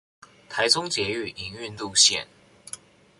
臺中捷運營運路線